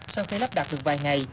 sau khi lắp đặt được vài ngày